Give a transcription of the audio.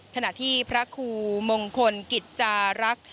ขณะที่พระครูมงคลกิจจารักษ์